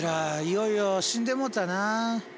いよいよ死んでもうたな。